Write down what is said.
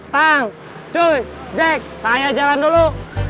kang cuy jack saya jalan dulu